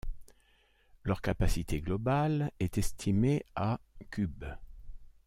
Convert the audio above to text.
Leur capacité globale est estimée à cubes.